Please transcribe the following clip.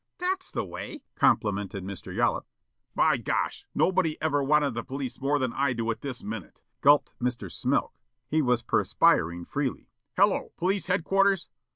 "That's the way," complimented Mr. Yollop. "By gosh, nobody ever wanted the police more than I do at this minute," gulped Mr. Smilk. He was perspiring freely. "Hello! Police headquarters?